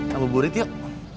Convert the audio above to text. sambil burit yuk